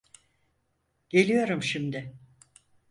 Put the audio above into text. Geliyorum şimdi.